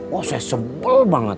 wah saya sebel banget